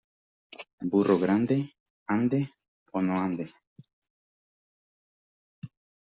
Burro grande, ande o no ande.